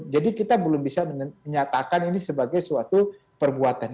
jadi kita belum bisa menyatakan ini sebagai suatu perbuatan